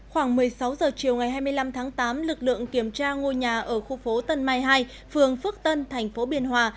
khoảng một mươi sáu h chiều ngày hai mươi năm tháng tám lực lượng kiểm tra ngôi nhà ở khu phố tân mai hai phường phước tân thành phố biên hòa